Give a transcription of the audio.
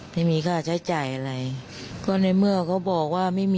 พี่นี้ค่ะใช้ใจอะไรก็ได้เมื่อเขาบอกว่ามีมี